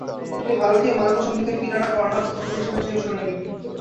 তিনি ভারতীয় মার্গ সঙ্গীতের কিরানা ঘরানার স্থপতি হিসাবে চিরস্মরণীয় ব্যক্তিত্ব।